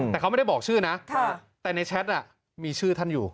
แต่เขาไม่ได้บอกชื่อนะแต่ในแชทมีชื่อท่านอยู่